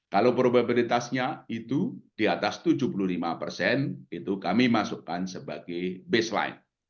kalau probabilitasnya itu di atas tujuh puluh lima persen itu kami masukkan sebagai baseline